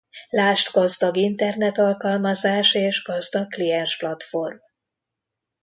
Lásd gazdag Internet alkalmazás és gazdag kliens platform.